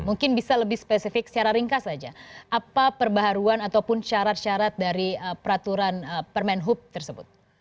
mungkin bisa lebih spesifik secara ringkas saja apa perbaharuan ataupun syarat syarat dari peraturan permen hub tersebut